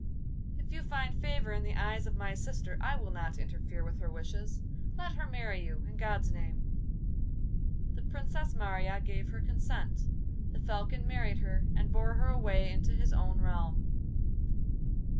'If you find favour in the eyes of my sister, I will not interfere with her wishes. Let her marry you, in God's name!' The Princess Marya gave her consent; the Falcon married her and bore her away into his own realm.